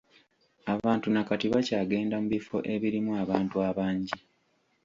Abantu na kati bakyagenda mu bifo ebirimu abantu abangi.